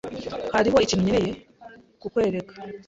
Hariho ikintu nkeneye kukwereka.